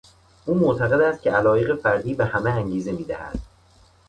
او معتقد است که علایق فردی به همه انگیزه میدهد.